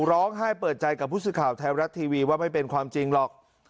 ร้องไห้เปิดใจกับผู้สื่อข่าวไทยรัฐทีวีว่าไม่เป็นความจริงหรอก